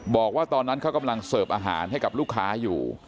บอกว่าตอนนั้นเขากำลังเสิร์ฟอาหารให้กับลูกค้าอยู่